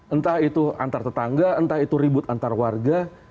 entah itu antar tetangga entah itu ribut antar warga